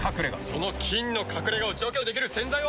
その菌の隠れ家を除去できる洗剤は。